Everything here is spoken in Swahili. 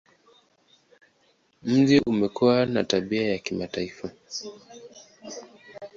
Mji umekuwa na tabia ya kimataifa.